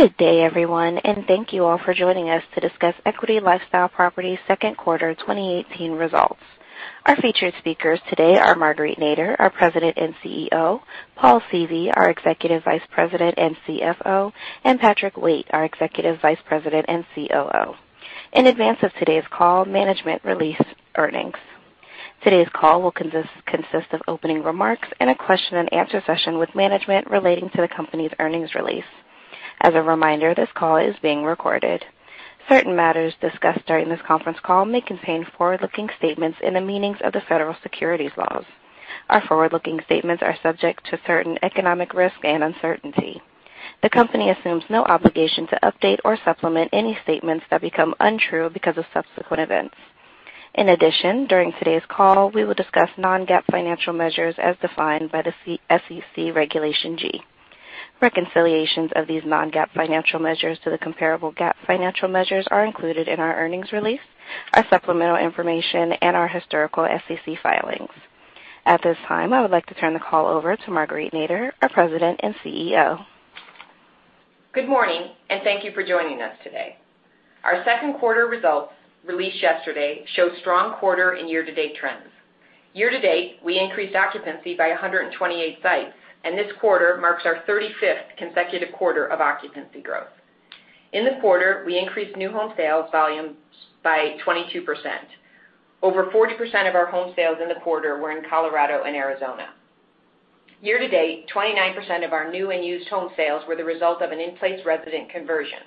Good day, everyone. Thank you all for joining us to discuss Equity LifeStyle Properties second quarter 2018 results. Our featured speakers today are Marguerite Nader, our President and CEO, Paul Seavey, our Executive Vice President and CFO, and Patrick Waite, our Executive Vice President and COO. In advance of today's call, management released earnings. Today's call will consist of opening remarks and a question and answer session with management relating to the company's earnings release. As a reminder, this call is being recorded. Certain matters discussed during this conference call may contain forward-looking statements in the meanings of the federal securities laws. Our forward-looking statements are subject to certain economic risk and uncertainty. The company assumes no obligation to update or supplement any statements that become untrue because of subsequent events. In addition, during today's call, we will discuss non-GAAP financial measures as defined by the SEC Regulation G. Reconciliations of these non-GAAP financial measures to the comparable GAAP financial measures are included in our earnings release, our supplemental information, and our historical SEC filings. At this time, I would like to turn the call over to Marguerite Nader, our President and CEO. Good morning. Thank you for joining us today. Our second quarter results, released yesterday, show strong quarter and year-to-date trends. Year-to-date, we increased occupancy by 128 sites. This quarter marks our 35th consecutive quarter of occupancy growth. In the quarter, we increased new home sales volumes by 22%. Over 40% of our home sales in the quarter were in Colorado and Arizona. Year-to-date, 29% of our new and used home sales were the result of an in-place resident conversion.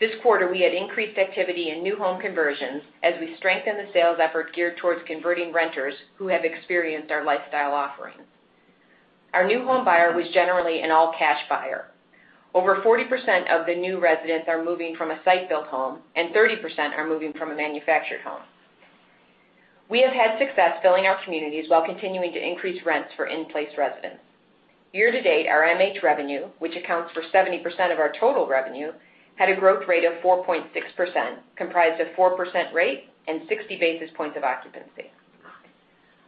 This quarter, we had increased activity in new home conversions as we strengthen the sales effort geared towards converting renters who have experienced our lifestyle offerings. Our new home buyer was generally an all-cash buyer. Over 40% of the new residents are moving from a site-built home. 30% are moving from a manufactured home. We have had success filling our communities while continuing to increase rents for in-place residents. Year-to-date, our MH revenue, which accounts for 70% of our total revenue, had a growth rate of 4.6%, comprised of 4% rate and 60 basis points of occupancy.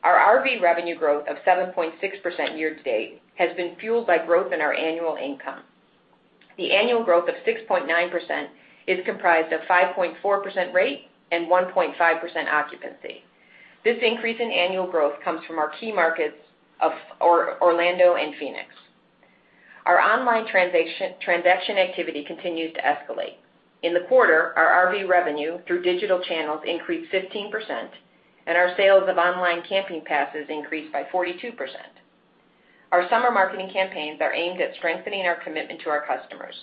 Our RV revenue growth of 7.6% year-to-date has been fueled by growth in our annual income. The annual growth of 6.9% is comprised of 5.4% rate and 1.5% occupancy. This increase in annual growth comes from our key markets of Orlando and Phoenix. Our online transaction activity continues to escalate. In the quarter, our RV revenue through digital channels increased 15%. Our sales of online camping passes increased by 42%. Our summer marketing campaigns are aimed at strengthening our commitment to our customers.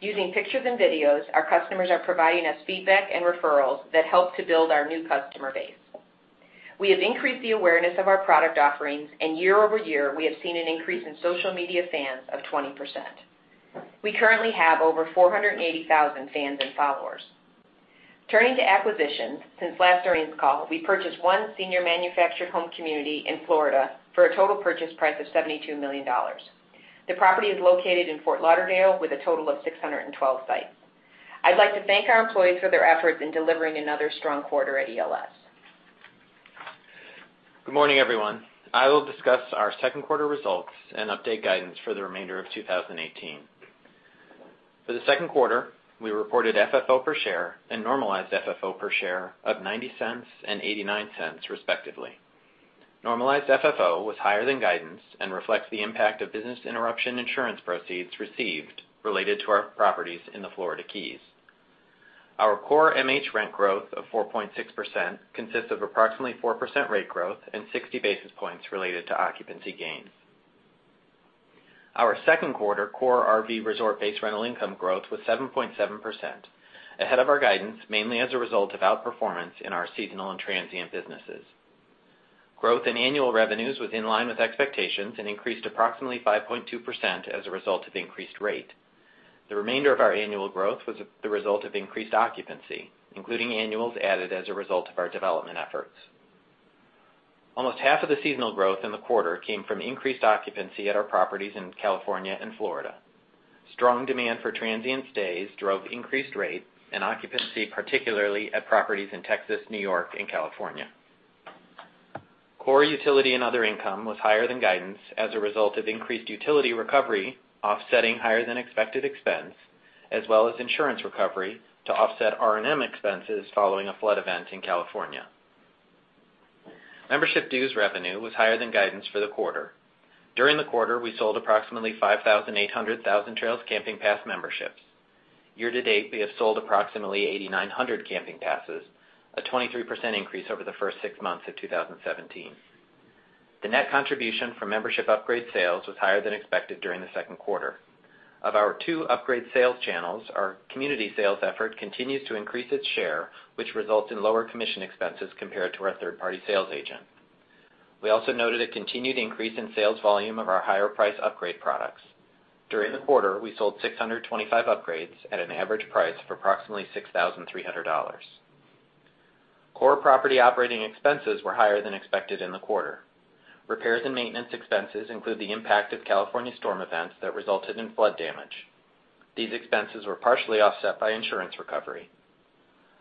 Using pictures and videos, our customers are providing us feedback and referrals that help to build our new customer base. We have increased the awareness of our product offerings, and year-over-year, we have seen an increase in social media fans of 20%. We currently have over 480,000 fans and followers. Turning to acquisitions, since last earnings call, we purchased one senior manufactured home community in Florida for a total purchase price of $72 million. The property is located in Fort Lauderdale with a total of 612 sites. I'd like to thank our employees for their efforts in delivering another strong quarter at ELS. Good morning, everyone. I will discuss our second quarter results and update guidance for the remainder of 2018. For the second quarter, we reported FFO per share and normalized FFO per share of $0.90 and $0.89 respectively. Normalized FFO was higher than guidance and reflects the impact of business interruption insurance proceeds received related to our properties in the Florida Keys. Our core MH rent growth of 4.6% consists of approximately 4% rate growth and 60 basis points related to occupancy gains. Our second quarter core RV resort base rental income growth was 7.7%, ahead of our guidance, mainly as a result of outperformance in our seasonal and transient businesses. Growth in annual revenues was in line with expectations and increased approximately 5.2% as a result of increased rate. The remainder of our annual growth was the result of increased occupancy, including annuals added as a result of our development efforts. Almost half of the seasonal growth in the quarter came from increased occupancy at our properties in California and Florida. Strong demand for transient stays drove increased rate and occupancy, particularly at properties in Texas, New York, and California. Core utility and other income was higher than guidance as a result of increased utility recovery offsetting higher than expected expense, as well as insurance recovery to offset R&M expenses following a flood event in California. Membership dues revenue was higher than guidance for the quarter. During the quarter, we sold approximately 5,800 Thousand Trails camping pass memberships. Year to date, we have sold approximately 8,900 camping passes, a 23% increase over the first six months of 2017. The net contribution for membership upgrade sales was higher than expected during the second quarter. Of our two upgrade sales channels, our community sales effort continues to increase its share, which results in lower commission expenses compared to our third-party sales agent. We also noted a continued increase in sales volume of our higher-priced upgrade products. During the quarter, we sold 625 upgrades at an average price of approximately $6,300. Core property operating expenses were higher than expected in the quarter. Repairs and maintenance expenses include the impact of California storm events that resulted in flood damage. These expenses were partially offset by insurance recovery.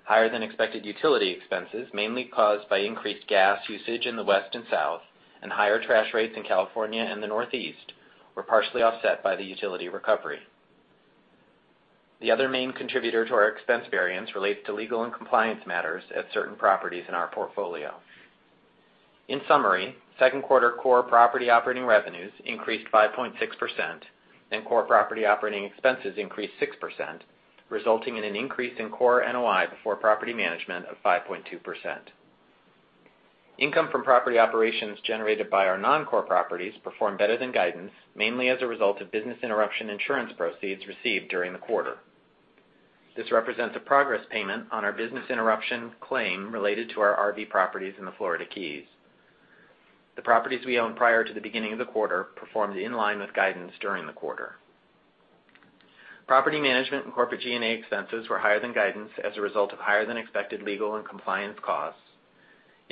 Higher than expected utility expenses, mainly caused by increased gas usage in the West and South, and higher trash rates in California and the Northeast, were partially offset by the utility recovery. The other main contributor to our expense variance relates to legal and compliance matters at certain properties in our portfolio. In summary, 2Q core property operating revenues increased 5.6%, core property operating expenses increased 6%, resulting in an increase in core NOI before property management of 5.2%. Income from property operations generated by our non-core properties performed better than guidance, mainly as a result of business interruption insurance proceeds received during the quarter. This represents a progress payment on our business interruption claim related to our RV properties in the Florida Keys. The properties we owned prior to the beginning of the quarter performed in line with guidance during the quarter. Property management and corporate G&A expenses were higher than guidance as a result of higher-than-expected legal and compliance costs.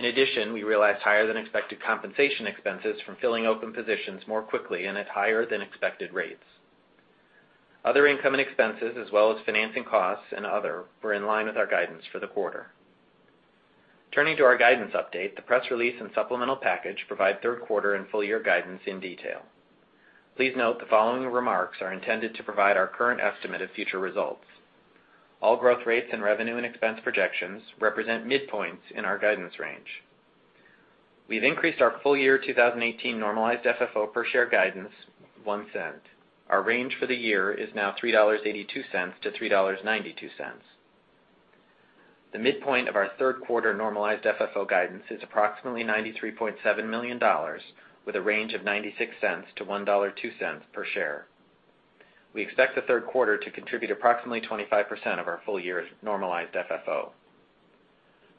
We realized higher-than-expected compensation expenses from filling open positions more quickly and at higher-than-expected rates. Other income and expenses, as well as financing costs and other, were in line with our guidance for the quarter. Turning to our guidance update, the press release and supplemental package provide 3Q and full-year guidance in detail. Please note the following remarks are intended to provide our current estimate of future results. All growth rates and revenue and expense projections represent midpoints in our guidance range. We've increased our full-year 2018 normalized FFO per share guidance $0.01. Our range for the year is now $3.82 to $3.92. The midpoint of our 3Q normalized FFO guidance is approximately $93.7 million, with a range of $0.96 to $1.02 per share. We expect the 3Q to contribute approximately 25% of our full year's normalized FFO.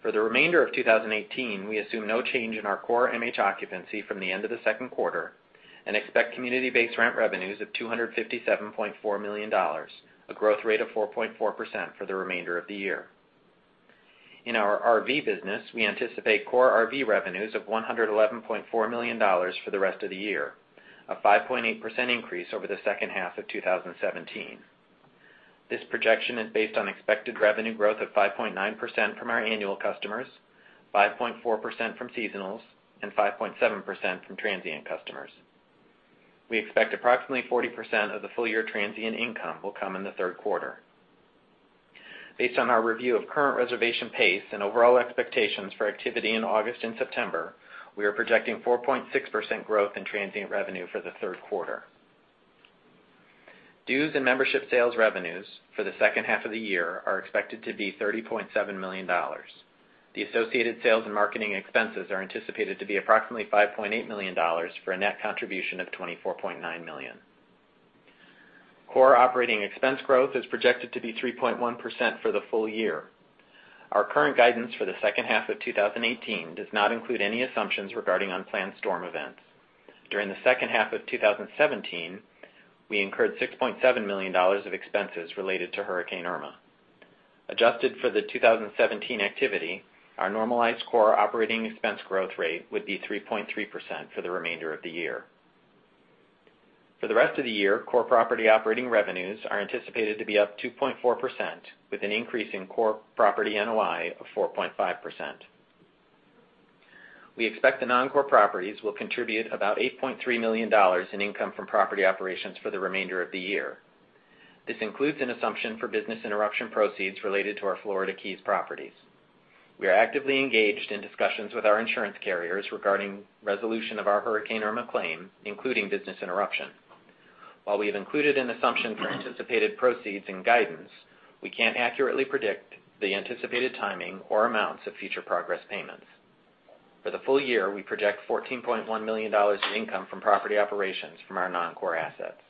For the remainder of 2018, we assume no change in our core MH occupancy from the end of the 2Q and expect community-based rent revenues of $257.4 million, a growth rate of 4.4% for the remainder of the year. In our RV business, we anticipate core RV revenues of $111.4 million for the rest of the year, a 5.8% increase over the second half of 2017. This projection is based on expected revenue growth of 5.9% from our annual customers, 5.4% from seasonals, and 5.7% from transient customers. We expect approximately 40% of the full-year transient income will come in the 3Q. Based on our review of current reservation pace and overall expectations for activity in August and September, we are projecting 4.6% growth in transient revenue for the 3Q. Dues and membership sales revenues for the second half of the year are expected to be $30.7 million. The associated sales and marketing expenses are anticipated to be approximately $5.8 million, for a net contribution of $24.9 million. Core operating expense growth is projected to be 3.1% for the full year. Our current guidance for the second half of 2018 does not include any assumptions regarding unplanned storm events. During the second half of 2017, we incurred $6.7 million of expenses related to Hurricane Irma. Adjusted for the 2017 activity, our normalized core operating expense growth rate would be 3.3% for the remainder of the year. For the rest of the year, core property operating revenues are anticipated to be up 2.4%, with an increase in core property NOI of 4.5%. We expect the non-core properties will contribute about $8.3 million in income from property operations for the remainder of the year. This includes an assumption for business interruption proceeds related to our Florida Keys properties. We are actively engaged in discussions with our insurance carriers regarding resolution of our Hurricane Irma claim, including business interruption. While we have included an assumption for anticipated proceeds and guidance, we can't accurately predict the anticipated timing or amounts of future progress payments. For the full year, we project $14.1 million in income from property operations from our non-core assets.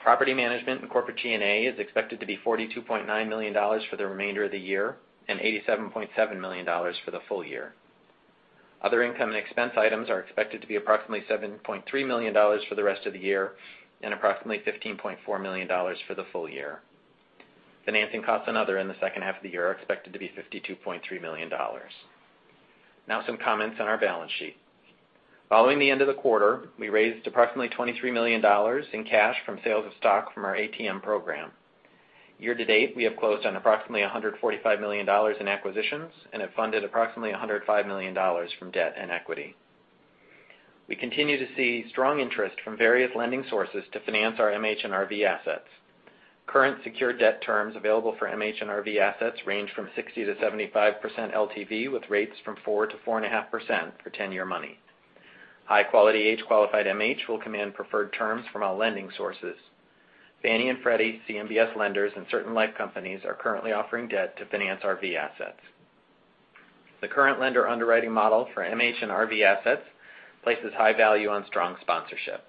Property management and corporate G&A is expected to be $42.9 million for the remainder of the year and $87.7 million for the full year. Other income and expense items are expected to be approximately $7.3 million for the rest of the year and approximately $15.4 million for the full year. Some comments on our balance sheet. Following the end of the quarter, we raised approximately $23 million in cash from sales of stock from our ATM program. Year to date, we have closed on approximately $145 million in acquisitions and have funded approximately $105 million from debt and equity. We continue to see strong interest from various lending sources to finance our MH and RV assets. Current secured debt terms available for MH and RV assets range from 60%-75% LTV, with rates from 4%-4.5% for 10-year money. High-quality, age-qualified MH will command preferred terms from all lending sources. Fannie and Freddie CMBS lenders and certain life companies are currently offering debt to finance RV assets. The current lender underwriting model for MH and RV assets places high value on strong sponsorship.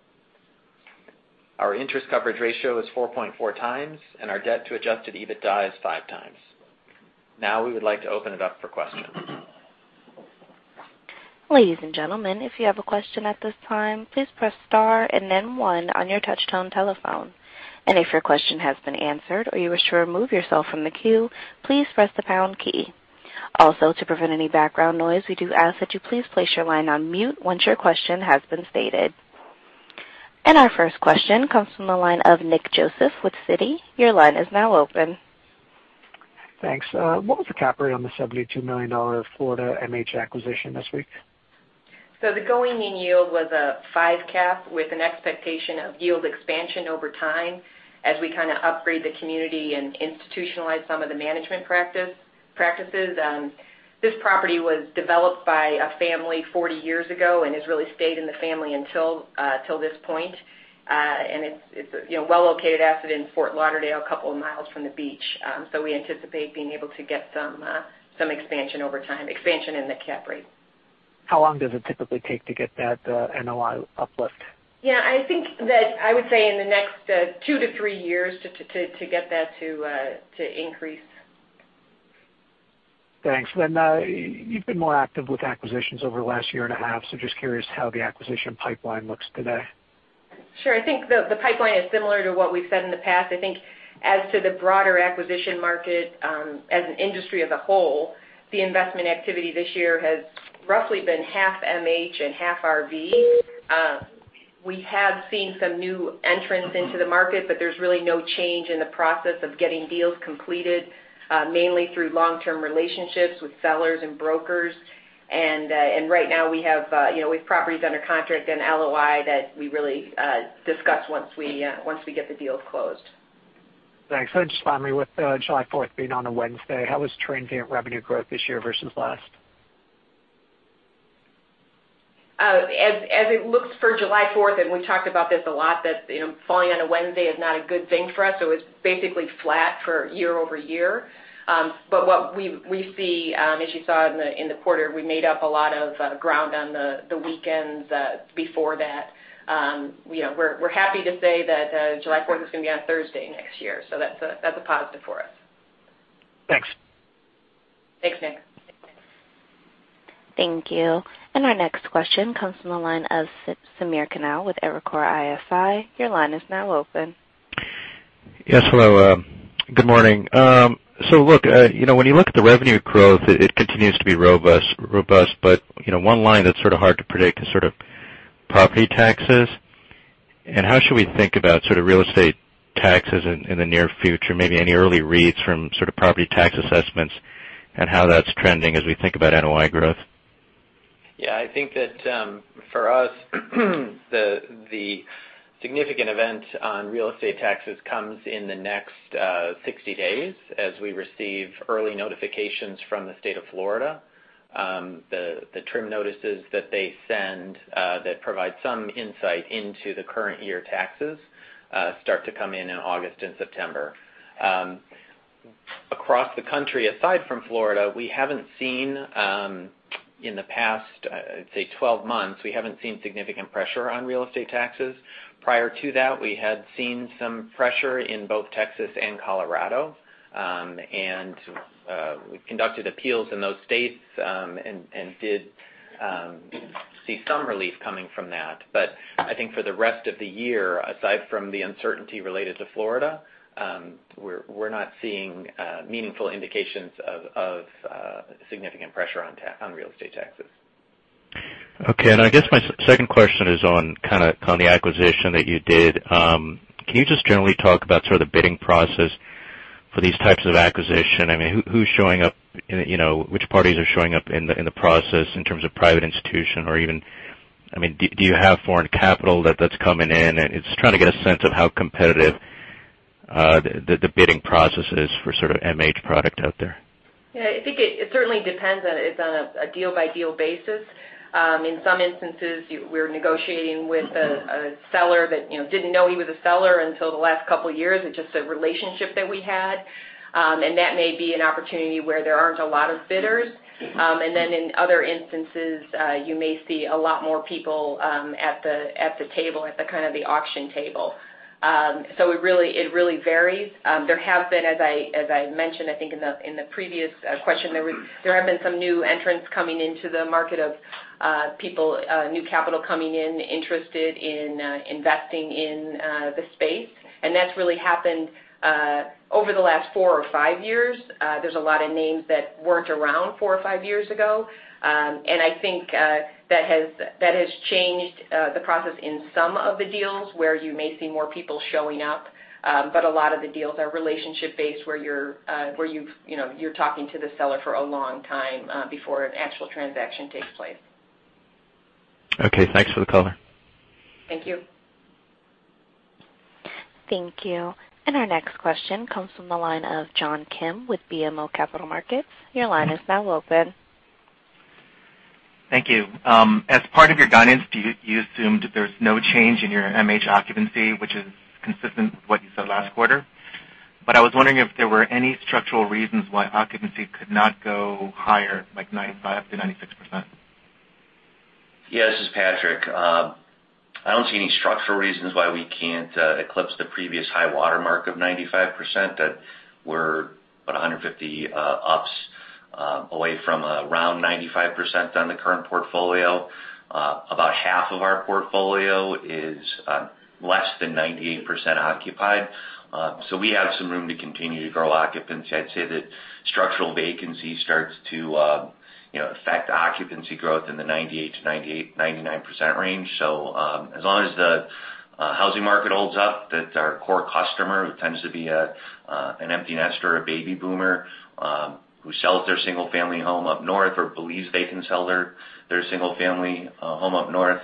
Our interest coverage ratio is 4.4 times, and our debt to adjusted EBITDA is five times. We would like to open it up for questions. Ladies and gentlemen, if you have a question at this time, please press star and then one on your touch tone telephone. If your question has been answered or you wish to remove yourself from the queue, please press the pound key. Also, to prevent any background noise, we do ask that you please place your line on mute once your question has been stated. Our first question comes from the line of Nick Joseph with Citi. Your line is now open. Thanks. What was the cap rate on the $72 million Florida MH acquisition this week? The going-in yield was a five cap with an expectation of yield expansion over time as we upgrade the community and institutionalize some of the management practices. This property was developed by a family 40 years ago and has really stayed in the family until this point. It's a well-located asset in Fort Lauderdale, a couple of miles from the beach. We anticipate being able to get some expansion over time, expansion in the cap rate. How long does it typically take to get that NOI uplift? Yeah, I think that I would say in the next two to three years to get that to increase. Thanks. You've been more active with acquisitions over the last year and a half, just curious how the acquisition pipeline looks today. Sure. I think the pipeline is similar to what we've said in the past. I think as to the broader acquisition market, as an industry as a whole, the investment activity this year has roughly been half MH and half RV. We have seen some new entrants into the market, there's really no change in the process of getting deals completed, mainly through long-term relationships with sellers and brokers. Right now we have properties under contract and LOI that we really discuss once we get the deals closed. Thanks. Just finally, with July 4th being on a Wednesday, how was transient revenue growth this year versus last? As it looks for July 4th, we talked about this a lot, that falling on a Wednesday is not a good thing for us, it's basically flat for year-over-year. What we see, as you saw in the quarter, we made up a lot of ground on the weekends before that. We're happy to say that July 4th is going to be on a Thursday next year. That's a positive for us. Thanks. Thanks, Nick. Thank you. Our next question comes from the line of Samir Khanal with Evercore ISI. Your line is now open. Yes, hello. Good morning. Look, when you look at the revenue growth, it continues to be robust, but one line that's sort of hard to predict is property taxes. How should we think about real estate taxes in the near future? Maybe any early reads from property tax assessments and how that's trending as we think about NOI growth? Yeah, I think that for us, the significant event on real estate taxes comes in the next 60 days as we receive early notifications from the state of Florida. The TRIM notices that they send that provide some insight into the current year taxes start to come in in August and September. Across the country, aside from Florida, we haven't seen in the past, say, 12 months, we haven't seen significant pressure on real estate taxes. Prior to that, we had seen some pressure in both Texas and Colorado, and we've conducted appeals in those states, and did see some relief coming from that. I think for the rest of the year, aside from the uncertainty related to Florida, we're not seeing meaningful indications of significant pressure on real estate taxes. Okay, I guess my second question is on the acquisition that you did. Can you just generally talk about the bidding process for these types of acquisition? Who's showing up? Which parties are showing up in the process in terms of private institution or even, do you have foreign capital that's coming in? Just trying to get a sense of how competitive the bidding process is for MH product out there. Yeah, I think it certainly depends on a deal-by-deal basis. In some instances, we're negotiating with a seller that didn't know he was a seller until the last couple of years. It's just a relationship that we had. That may be an opportunity where there aren't a lot of bidders. Then in other instances, you may see a lot more people at the table, at the auction table. It really varies. There have been, as I mentioned, I think in the previous question, there have been some new entrants coming into the market of new capital coming in, interested in investing in the space, and that's really happened over the last four or five years. There's a lot of names that weren't around four or five years ago. I think that has changed the process in some of the deals where you may see more people showing up. A lot of the deals are relationship-based where you're talking to the seller for a long time before an actual transaction takes place. Okay, thanks for the color. Thank you. Thank you. Our next question comes from the line of John Kim with BMO Capital Markets. Your line is now open. Thank you. As part of your guidance, you assumed there's no change in your MH occupancy, which is consistent with what you said last quarter. I was wondering if there were any structural reasons why occupancy could not go higher, like 95%-96%. Yeah, this is Patrick. I don't see any structural reasons why we can't eclipse the previous high watermark of 95% that we're 150 bps away from around 95% on the current portfolio. About half of our portfolio is less than 98% occupied. We have some room to continue to grow occupancy. I'd say that structural vacancy starts to affect occupancy growth in the 98%-99% range. As long as the If the housing market holds up, that our core customer, who tends to be an empty nester, a baby boomer, who sells their single-family home up north or believes they can sell their single-family home up north,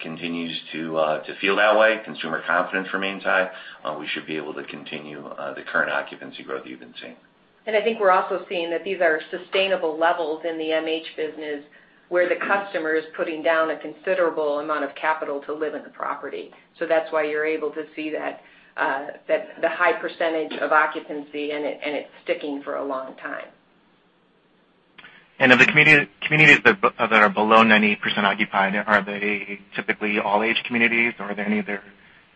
continues to feel that way. Consumer confidence remains high. We should be able to continue the current occupancy growth you've been seeing. I think we're also seeing that these are sustainable levels in the MH business where the customer is putting down a considerable amount of capital to live in the property. That's why you're able to see the high % of occupancy, and it's sticking for a long time. Of the communities that are below 90% occupied, are they typically all age communities, or are there any other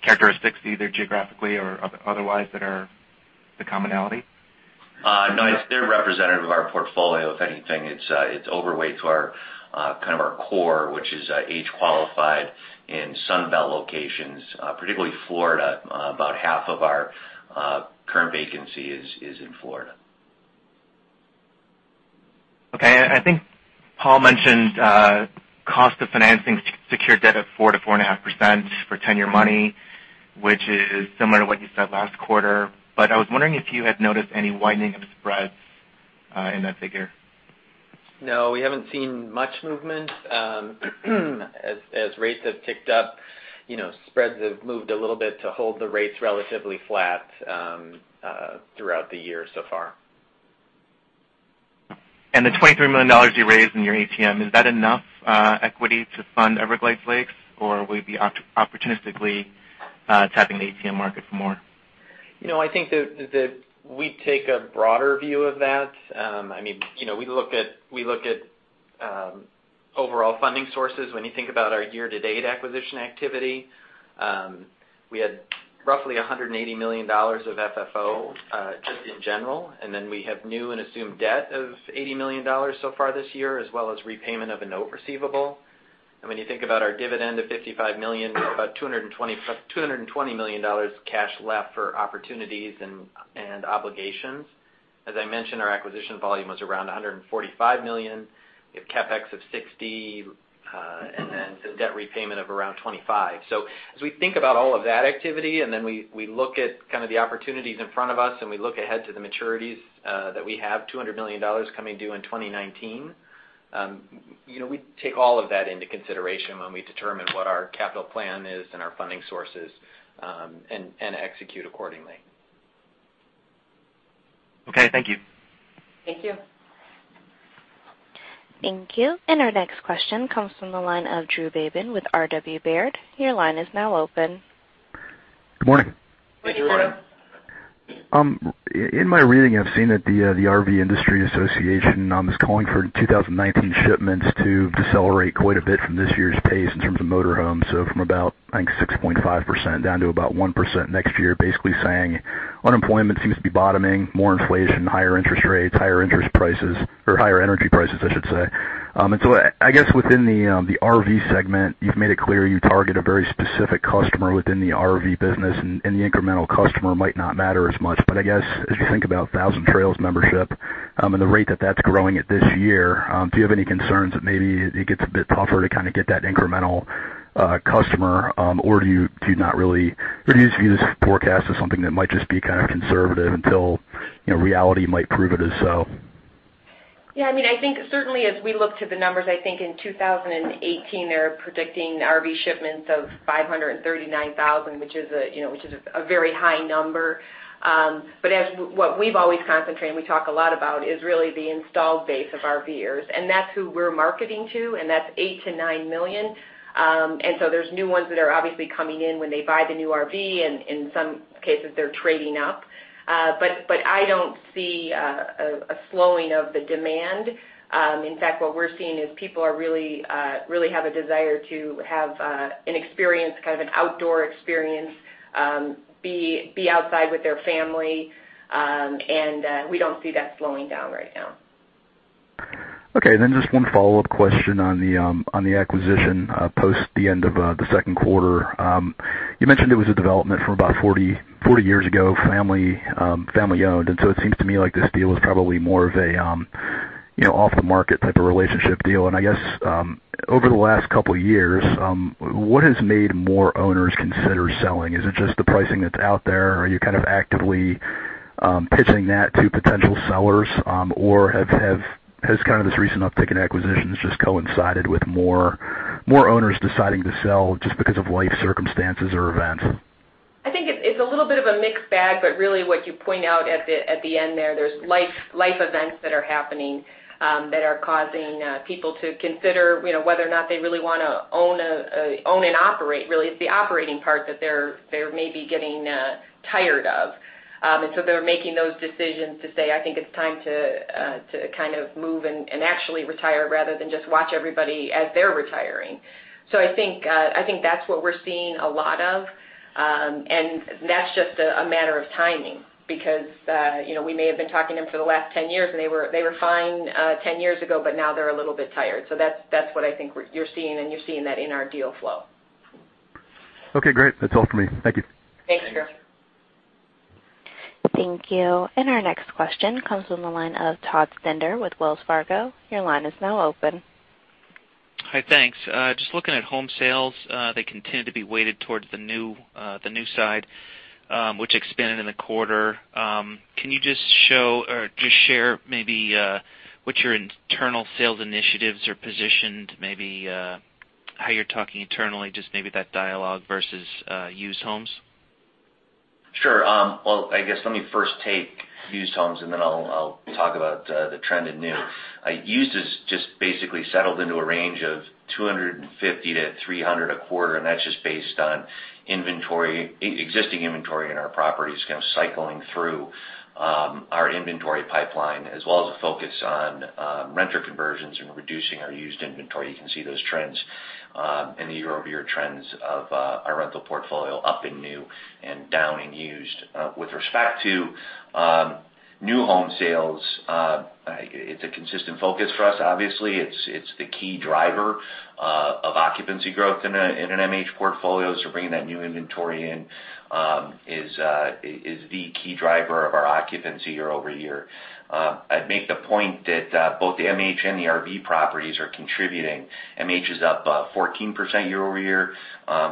characteristics, either geographically or otherwise, that are the commonality? No, they're representative of our portfolio. If anything, it's overweight to our core, which is age qualified in Sun Belt locations, particularly Florida. About half of our current vacancy is in Florida. Okay. I think Paul mentioned cost of financing secured debt of 4%-4.5% for 10-year money, which is similar to what you said last quarter. I was wondering if you had noticed any widening of the spreads in that figure. No, we haven't seen much movement. As rates have ticked up, spreads have moved a little bit to hold the rates relatively flat throughout the year so far. The $23 million you raised in your ATM, is that enough equity to fund Everglades Lakes, or will you be opportunistically tapping the ATM market for more? I think that we take a broader view of that. We look at overall funding sources. When you think about our year-to-date acquisition activity, we had roughly $180 million of FFO, just in general. We have new and assumed debt of $80 million so far this year, as well as repayment of a note receivable. When you think about our dividend of $55 million, about $220 million cash left for opportunities and obligations. As I mentioned, our acquisition volume was around $145 million. We have CapEx of $60 million. Debt repayment of around $25 million. As we think about all of that activity, and then we look at the opportunities in front of us, and we look ahead to the maturities that we have, $200 million coming due in 2019, we take all of that into consideration when we determine what our capital plan is and our funding sources, and execute accordingly. Okay. Thank you. Thank you. Thank you. Our next question comes from the line of Drew Babin with RW Baird. Your line is now open. Good morning. Good morning. In my reading, I've seen that the RV Industry Association is calling for 2019 shipments to decelerate quite a bit from this year's pace in terms of motor homes. From about, I think, 6.5% down to about 1% next year. Basically saying unemployment seems to be bottoming, more inflation, higher interest rates, higher interest prices, or higher energy prices, I should say. I guess within the RV segment, you've made it clear you target a very specific customer within the RV business, and the incremental customer might not matter as much. I guess, as you think about Thousand Trails membership, and the rate that that's growing at this year, do you have any concerns that maybe it gets a bit tougher to get that incremental customer? Do you view this forecast as something that might just be kind of conservative until reality might prove it as so? Yeah, I think certainly as we look to the numbers, I think in 2018, they're predicting RV shipments of 539,000, which is a very high number. What we've always concentrated and we talk a lot about is really the installed base of RVers, and that's who we're marketing to, and that's eight to nine million. There's new ones that are obviously coming in when they buy the new RV, and in some cases, they're trading up. I don't see a slowing of the demand. In fact, what we're seeing is people really have a desire to have an experience, kind of an outdoor experience, be outside with their family, and we don't see that slowing down right now. Okay, just one follow-up question on the acquisition post the end of the second quarter. You mentioned it was a development from about 40 years ago, family owned, it seems to me like this deal is probably more of an off-the-market type of relationship deal. I guess, over the last couple of years, what has made more owners consider selling? Is it just the pricing that's out there? Are you kind of actively pitching that to potential sellers? Has this recent uptick in acquisitions just coincided with more owners deciding to sell just because of life circumstances or events? I think it's a little bit of a mixed bag, really what you point out at the end there's life events that are happening that are causing people to consider whether or not they really want to own and operate, really. It's the operating part that they're maybe getting tired of. They're making those decisions to say, "I think it's time to move and actually retire rather than just watch everybody as they're retiring." I think that's what we're seeing a lot of, and that's just a matter of timing because we may have been talking to them for the last 10 years, and they were fine 10 years ago, now they're a little bit tired. That's what I think you're seeing, and you're seeing that in our deal flow. Okay, great. That's all for me. Thank you. Thank you. Thank you. Our next question comes from the line of Todd Stender with Wells Fargo. Your line is now open. Hi, thanks. Just looking at home sales, they continue to be weighted towards the new side, which expanded in the quarter. Can you just share maybe what your internal sales initiatives are positioned, maybe how you're talking internally, just maybe that dialogue versus used homes? Sure. Well, I guess let me first take used homes, and then I'll talk about the trend in new. Used has just basically settled into a range of 250-300 a quarter, and that's just based on existing inventory in our properties kind of cycling through our inventory pipeline, as well as a focus on renter conversions and reducing our used inventory. You can see those trends in the year-over-year trends of our rental portfolio up in new and down in used. With respect to new home sales, it's a consistent focus for us. Obviously, it's the key driver of occupancy growth in an MH portfolio. Bringing that new inventory in is the key driver of our occupancy year-over-year. I'd make the point that both the MH and the RV properties are contributing. MH is up 14% year-over-year.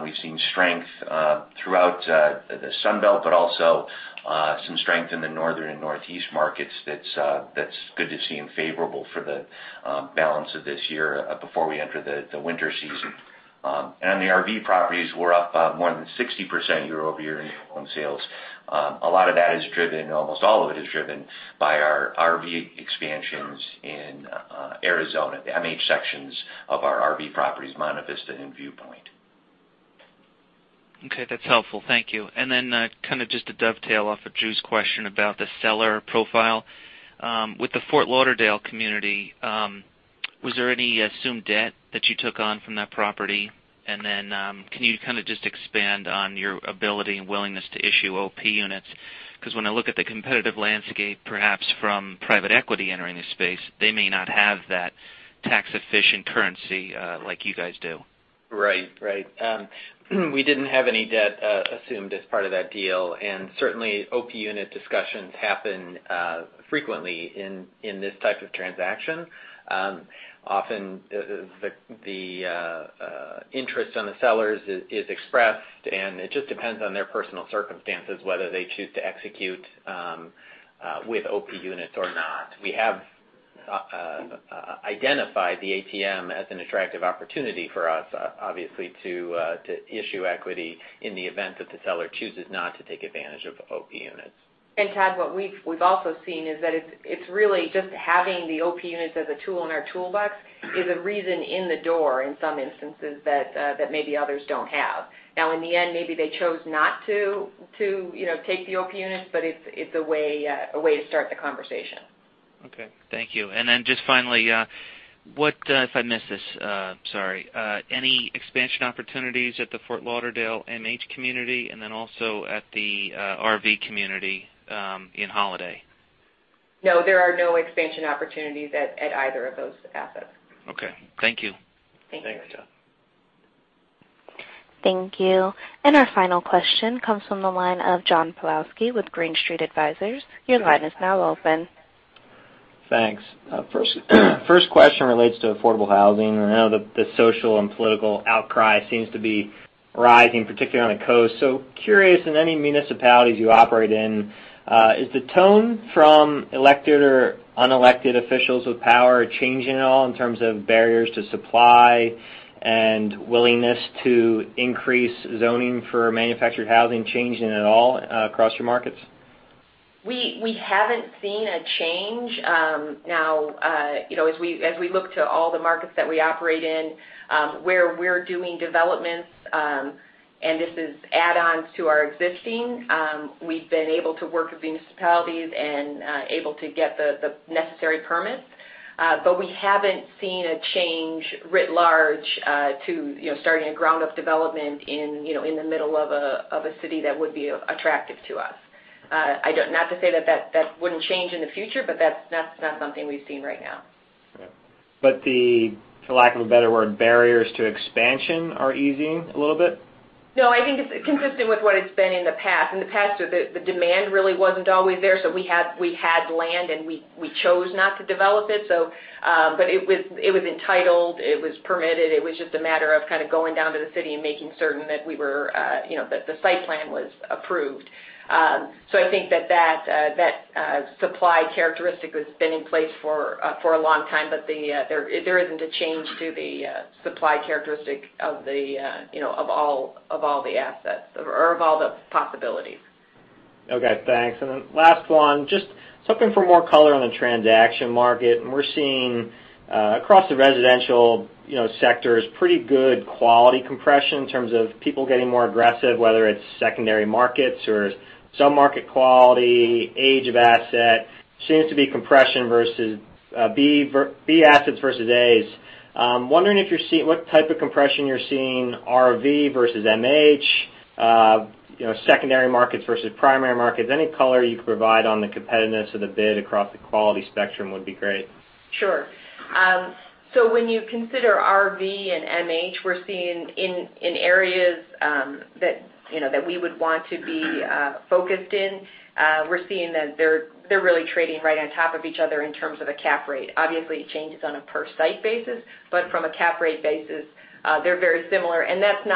We've seen strength throughout the Sun Belt, but also some strength in the northern and northeast markets that's good to see and favorable for the balance of this year before we enter the winter season. On the RV properties, we're up more than 60% year-over-year in new home sales. Almost all of it is driven by our RV expansions in Arizona, the MH sections of our RV properties, Monte Vista and Viewpoint. Okay, that's helpful. Thank you. Kind of just to dovetail off of Drew's question about the seller profile. With the Fort Lauderdale community, was there any assumed debt that you took on from that property? Can you kind of just expand on your ability and willingness to issue OP units? Because when I look at the competitive landscape, perhaps from private equity entering the space, they may not have that tax-efficient currency like you guys do. Right. We didn't have any debt assumed as part of that deal, certainly OP unit discussions happen frequently in this type of transaction. Often, the interest on the sellers is expressed, it just depends on their personal circumstances whether they choose to execute with OP units or not. We have identified the ATM as an attractive opportunity for us, obviously, to issue equity in the event that the seller chooses not to take advantage of OP units. Todd, what we've also seen is that it's really just having the OP units as a tool in our toolbox is a reason in the door in some instances that maybe others don't have. Now, in the end, maybe they chose not to take the OP units, it's a way to start the conversation. Okay, thank you. Just finally, if I missed this, sorry. Any expansion opportunities at the Fort Lauderdale MH community and then also at the RV community in Holiday? No, there are no expansion opportunities at either of those assets. Okay. Thank you. Thank you. Thanks, Todd. Thank you. Our final question comes from the line of John Pawlowski with Green Street Advisors. Your line is now open. Thanks. First question relates to affordable housing. I know the social and political outcry seems to be rising, particularly on the coast. Curious, in any municipalities you operate in, is the tone from elected or unelected officials with power changing at all in terms of barriers to supply and willingness to increase zoning for manufactured housing changing at all across your markets? We haven't seen a change. Now, as we look to all the markets that we operate in, where we're doing developments, and this is add-ons to our existing, we've been able to work with municipalities and able to get the necessary permits. We haven't seen a change writ large to starting a ground-up development in the middle of a city that would be attractive to us. Not to say that wouldn't change in the future, but that's not something we've seen right now. The, for lack of a better word, barriers to expansion are easing a little bit? No, I think it's consistent with what it's been in the past. In the past, the demand really wasn't always there, we had land, and we chose not to develop it. It was entitled, it was permitted. It was just a matter of kind of going down to the city and making certain that the site plan was approved. I think that supply characteristic has been in place for a long time, but there isn't a change to the supply characteristic of all the assets or of all the possibilities. Okay, thanks. Last one, just looking for more color on the transaction market, we're seeing across the residential sectors, pretty good quality compression in terms of people getting more aggressive, whether it's secondary markets or sub-market quality, age of asset. Seems to be compression versus B assets versus As. Wondering what type of compression you're seeing RV versus MH, secondary markets versus primary markets. Any color you could provide on the competitiveness of the bid across the quality spectrum would be great. Sure. When you consider RV and MH, we're seeing in areas that we would want to be focused in, we're seeing that they're really trading right on top of each other in terms of a cap rate. Obviously, it changes on a per site basis, but from a cap rate basis, they're very similar. That's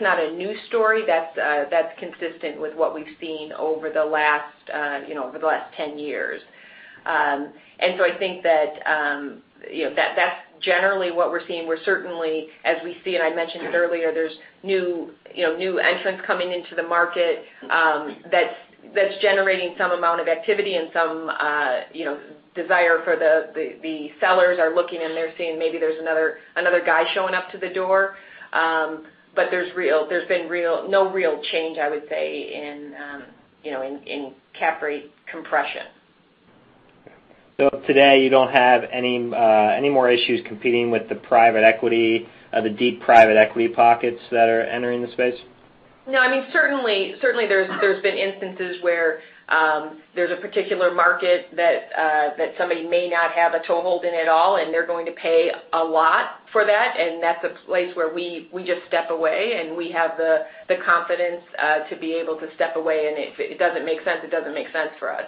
not a new story. That's consistent with what we've seen over the last 10 years. I think that's generally what we're seeing, where certainly, as we see, and I mentioned it earlier, there's new entrants coming into the market that's generating some amount of activity and some desire for the sellers are looking and they're seeing maybe there's another guy showing up to the door. There's been no real change, I would say, in cap rate compression. Today you don't have any more issues competing with the private equity, the deep private equity pockets that are entering the space? No, certainly there's been instances where there's a particular market that somebody may not have a toehold in at all, and they're going to pay a lot for that, and that's a place where we just step away, and we have the confidence to be able to step away, and if it doesn't make sense, it doesn't make sense for us.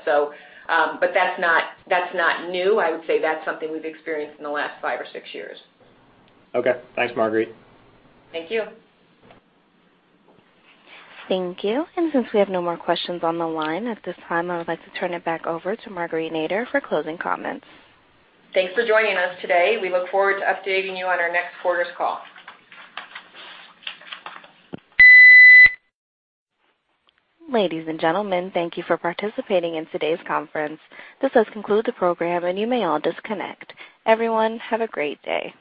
That's not new. I would say that's something we've experienced in the last five or six years. Okay. Thanks, Marguerite. Thank you. Thank you. Since we have no more questions on the line, at this time, I would like to turn it back over to Marguerite Nader for closing comments. Thanks for joining us today. We look forward to updating you on our next quarter's call. Ladies and gentlemen, thank you for participating in today's conference. This does conclude the program, and you may all disconnect. Everyone, have a great day.